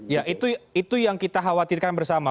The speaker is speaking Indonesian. ya itu yang kita khawatirkan bersama